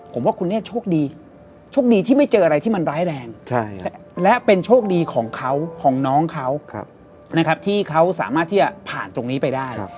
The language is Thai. ผมว่าคุณเนธโชคดีโชคดีที่ไม่เจออะไรที่มันร้ายแรงและเป็นโชคดีของเขาของน้องเขานะครับที่เขาสามารถที่จะผ่านตรงนี้ไปได้